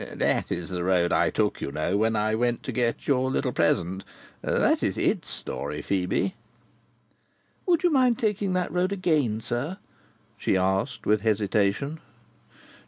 "That is the road I took, you know, when I went to get your little present. That is its story, Phœbe." "Would you mind taking that road again, sir?" she asked with hesitation.